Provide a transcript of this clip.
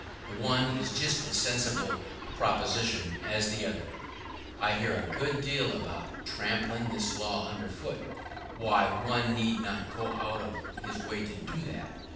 The one is just as sensible a proposition as the other. [¶18] I hear a good deal said about trampling this law under foot. Why, one need not go out of his way to do that.